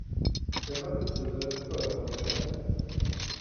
Denna betydelse förekommer ännu.